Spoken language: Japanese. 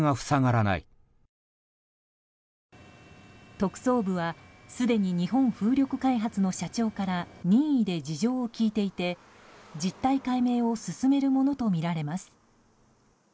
特捜部はすでに日本風力開発の社長から任意で事情を聴いていて実態解明を進めるものとみられます。